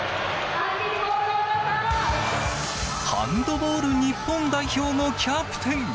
ハンドボール日本代表のキャプテン。